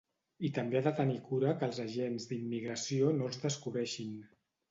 I també ha de tenir cura que els agents d'immigració no els descobreixin.